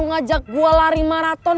lo ngajak gua lari marathon